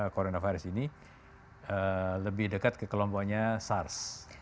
coronavirus ini lebih dekat ke kelompoknya sars